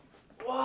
ini untuk anda